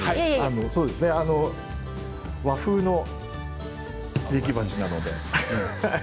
和風の植木鉢なので。